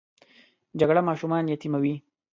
جګړه ماشومان یتیموي